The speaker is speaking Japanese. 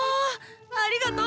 ありがとう！